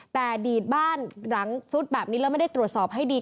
แต่ดีดบ้านหลังซุดแบบนี้แล้วไม่ได้ตรวจสอบให้ดี